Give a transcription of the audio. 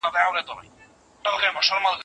ښځه تر شا د کباب سیخانو ته په ارمان ګوري.